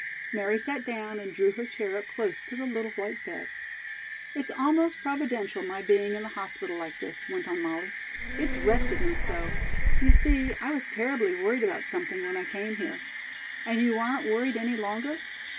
Mary sat down and drew her chair up close to the little white bed. "It's almost providential my being in the hospital like this," went on Molly, "it's rested me so. You see, I was terribly worried about something when I came here." "And you aren't worried any longer?"